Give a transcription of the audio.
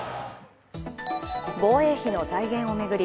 防衛費の財源を巡り